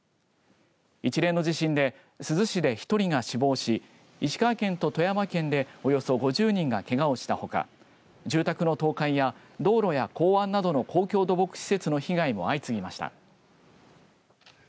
一連の地震で珠洲市で１人が死亡し石川県と富山県でおよそ５０人がけがをしたほか住宅の倒壊や道路や港湾などの公共土木施設の被害も相次ぎました。